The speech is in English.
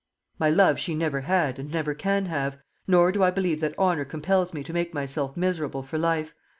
"My love she never had, and never can have; nor do I believe that honour compels me to make myself miserable for life.